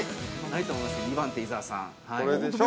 ◆ないと思いますけど、２番手、伊沢さん。